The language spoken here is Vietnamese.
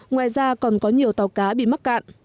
ngoài ra còn có nhiều tàu cá bị mắc cạn